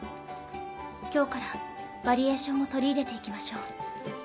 今日からバリエーションも取り入れて行きましょう。